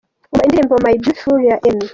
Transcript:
Umva indirimbo my beautiful ya Emmy.